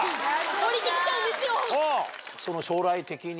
降りてきちゃうんですよ。